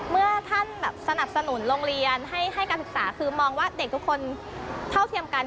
เมื่อท่านสนับสนุนโรงเรียนให้การศึกษาคือมองว่าเด็กทุกคนเท่าเทียมกัน